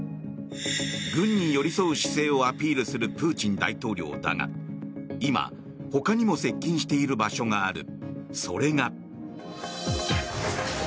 軍に寄り添う姿勢をアピールするプーチン大統領だが今、ほかにも接近している場所がある。